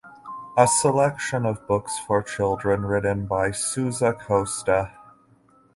A selection of books for children written by Sousa Costa.